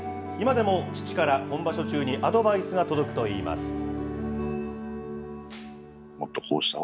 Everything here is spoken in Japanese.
今でも父から本場所中にアドバイスが届くといいます。